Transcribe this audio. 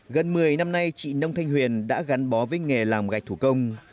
gần một mươi năm nay chị nông thanh huyền đã gắn bó với nghề làm gạch thủ công